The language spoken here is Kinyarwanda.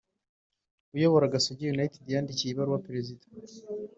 uyobora gasogi united yandikiye ibaruwa perezida